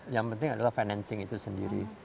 yang penting adalah financing itu sendiri